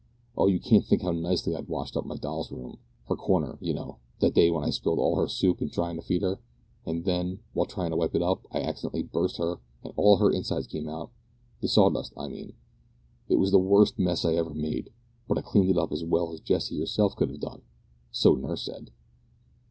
Oh, you can't think how nicely I washed up my doll's room her corner, you know, that day when I spilt all her soup in trying to feed her, and then, while trying to wipe it up, I accidentally burst her, and all her inside came out the sawdust, I mean. It was the worst mess I ever made, but I cleaned it up as well as Jessie herself could have done so nurse said."